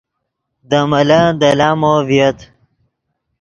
دے ملن دے لامو ڤییت